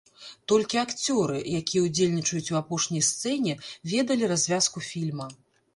Толькі акцёры, якія ўдзельнічаюць у апошняй сцэне, ведалі развязку фільма.